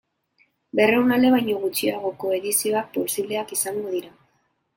Berrehun ale baino gutxiagoko edizioak posibleak izango dira.